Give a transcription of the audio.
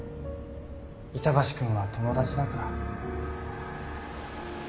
板橋くんは友達だから。